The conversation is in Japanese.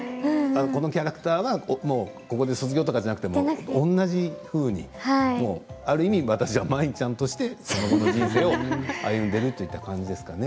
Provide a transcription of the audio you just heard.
このキャラクターはここで卒業とかではなくて同じふうに、ある意味私はまいんちゃんとしてその後の人生を歩んでいるといった感じですかね。